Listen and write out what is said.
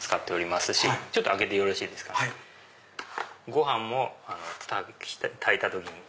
ご飯も炊いた時に。